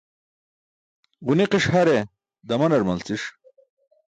Ġuniqiṣ hare damanar malci̇ṣ.